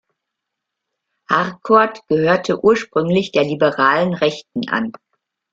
Harkort gehörte ursprünglich der liberalen Rechten an.